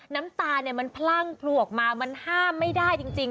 น้ำตาเนี่ยมันพลั่งพลูออกมามันห้ามไม่ได้จริง